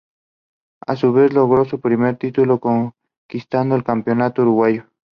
A su vez, logró su primer título, conquistando el Campeonato Uruguayo.